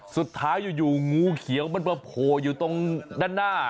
สุดท้ายอยู่งูเขียวมันมาโผล่อยู่ตรงด้านหน้า